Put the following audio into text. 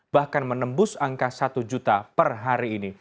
bahkan menembus angka satu juta per hari ini